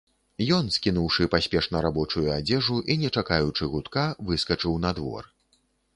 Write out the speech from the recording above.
Ён, скінуўшы паспешна рабочую адзежу і не чакаючы гудка, выскачыў на двор.